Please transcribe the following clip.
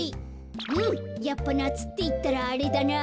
うんやっぱなつっていったらあれだな。